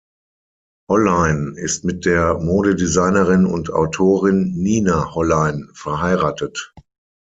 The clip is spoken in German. Hollein ist mit der Modedesignerin und Autorin Nina Hollein verheiratet.